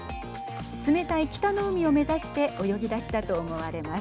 冷たい北の海を目指して泳ぎ出したと思われます。